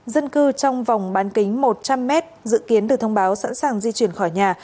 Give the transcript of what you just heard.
dân cư trong vòng bán kính một trăm linh m dự kiến được thông báo sẵn sàng di chuyển khỏi nhà